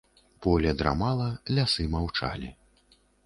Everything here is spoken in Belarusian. Поле драмала, лясы маўчалі.